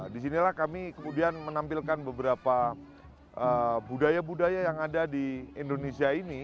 disinilah kami kemudian menampilkan beberapa budaya budaya yang ada di indonesia ini